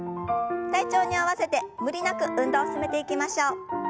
体調に合わせて無理なく運動を進めていきましょう。